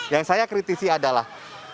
yang saya kritisi adalah